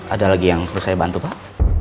ada lagi yang perlu saya bantu pak